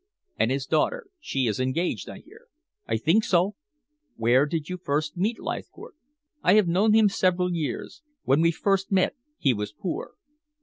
"And his daughter? She is engaged, I hear." "I think so." "Where did you first meet Leithcourt?" "I have known him several years. When we first met he was poor."